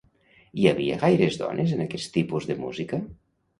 Hi havia gaires dones en aquest tipus de música?